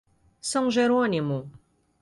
São Jerônimo